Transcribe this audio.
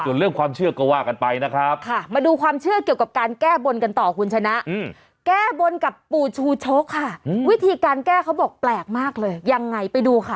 ส่วนเรื่องความเชื่อก็ว่ากันไปนะครับค่ะมาดูความเชื่อเกี่ยวกับการแก้บนกันต่อคุณชนะแก้บนกับปู่ชูชกค่ะวิธีการแก้เขาบอกแปลกมากเลยยังไงไปดูค่ะ